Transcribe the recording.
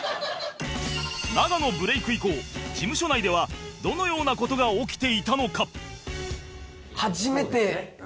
永野ブレイク以降事務所内ではどのような事が起きていたのか？